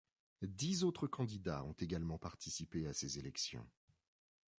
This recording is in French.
Dix autres candidats ont également participé à ces élections.